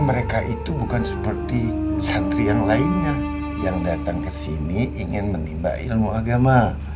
mereka itu bukan seperti santri yang lainnya yang datang ke sini ingin menimba ilmu agama